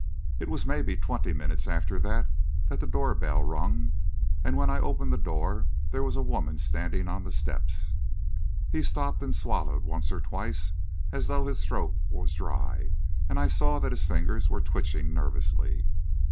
"It was maybe twenty minutes after that that the door bell rung, and when I opened the door, there was a woman standing on the steps." He stopped and swallowed once or twice, as though his throat was dry, and I saw that his fingers were twitching nervously.